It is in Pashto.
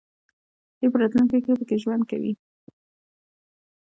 دوی په راتلونکي کې پکې ژوند کوي.